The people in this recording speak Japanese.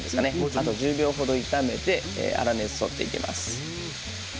あと１０秒程、炒めて粗熱を取っていきます。